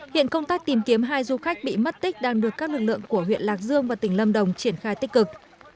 hiện công tác tìm kiếm hai du khách bị mất tích đang được các lực lượng của huyện lạc dương và tỉnh lâm đồng triển khai tích cực